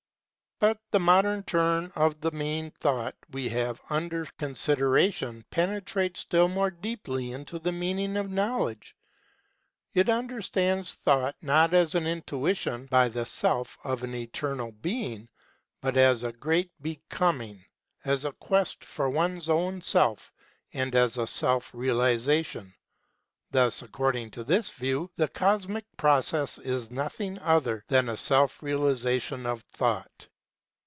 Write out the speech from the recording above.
But the modern turn of the main thought we have under consideration penetrates still more deeply into the meaning of Knowledge. It understands Thought not as an intuition by the self of an Eternal Being but as a great Becoming as a quest for one's own self and as a self realisation. Thus, accord ing to this view, the cosmic process is nothing other than a self realisation of Thought.